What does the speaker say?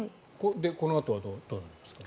このあとはどうなりますか？